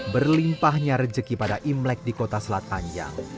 berlimpahnya rezeki pada imlek di kota selat panjang